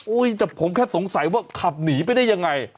แต่ผมแค่สงสัยว่าขับหนีไปได้ยังไง